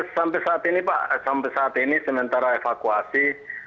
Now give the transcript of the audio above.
sampai saat ini pak sampai saat ini sementara evakuasi